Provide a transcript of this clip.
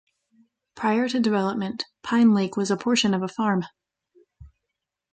Prior to development, Pine Lake was a portion of a farm.